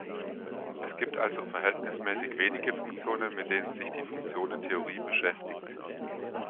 Es gibt also verhältnismäßig wenige Funktionen, mit denen sich die Funktionentheorie beschäftigt.